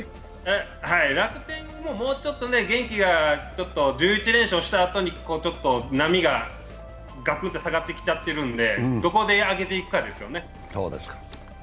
楽天ももうちょっと元気が１１連勝したあとにちょっと波がガクっと下がってきちゃってるので、どこで上げていくかですよね。